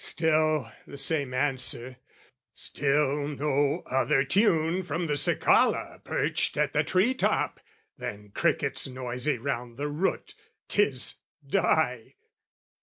Still the same answer, still no other tune From the cicala perched at the tree top Than crickets noisy round the root, 'tis "Die!"